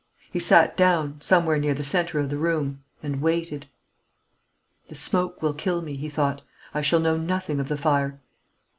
He sat down, somewhere near the centre of the room, and waited. "The smoke will kill me," he thought. "I shall know nothing of the fire."